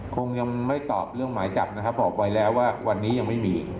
คงยังไม่ตอบเรื่องหมายจับนะครับบอกไว้แล้วว่าวันนี้ยังไม่มี